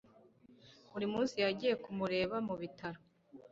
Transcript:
buri munsi yagiye kumureba mu bitaro